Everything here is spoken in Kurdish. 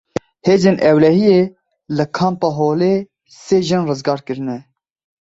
Hêzên Ewlehiyê li Kampa Holê sê jin rizgar kirine.